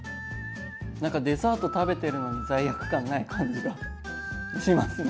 何かデザート食べてるのに罪悪感ない感じがしますね。